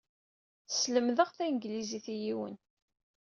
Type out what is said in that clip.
Sselmadeɣ tanglizit i yiwen.